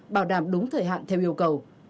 bảo đảm đúng thời hạn theo yêu cầu